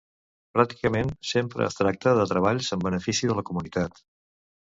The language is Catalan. Pràcticament sempre es tracta de treballs en benefici de la comunitat.